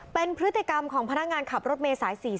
เป็นพฤติกรรมของพนักงานขับรถเมษาย๔๔